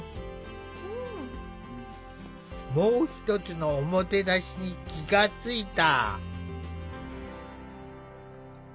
もう一つの“おもてなし”に気が付いた。